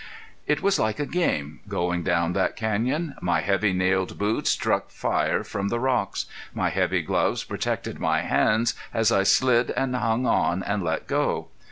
It was like a game, going down that canyon. My heavy nailed boots struck fire from the rocks. My heavy gloves protected my hands as I slid and hung on and let go.